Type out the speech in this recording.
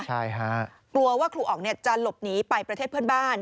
ใช่ฮะกลัวว่าครูอ๋องจะหลบหนีไปประเทศเพื่อนบ้าน